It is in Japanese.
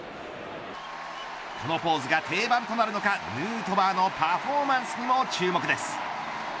このポーズが定番となるのかヌートバーのパフォーマンスにも注目です。